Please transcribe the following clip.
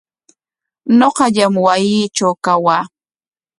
Ñuqallam wasiitraw kawaa.